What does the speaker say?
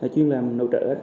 chuyên làm nội trợ